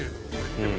うん。